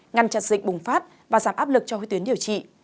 ngăn chặt dịch bùng phát và giảm áp lực cho huyết tuyến điều trị